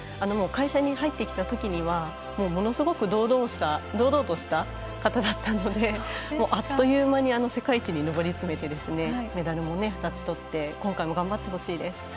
会社に入ってきたときにはものすごく堂々とした方だったのであっという間に世界一に上り詰めてメダルも２つとって今回も頑張ってほしいです。